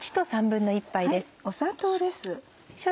砂糖です。